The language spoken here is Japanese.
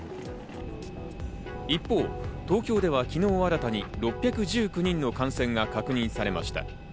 一方、東京では昨日新たに６１９人の感染が確認されました。